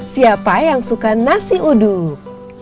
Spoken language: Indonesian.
siapa yang suka nasi uduk